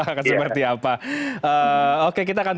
akan seperti apa oke kita akan